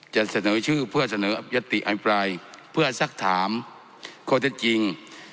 จะเสนอชื่อเพื่อเสนอยติอภิปรายเพื่อสักถามข้อเท็จจริง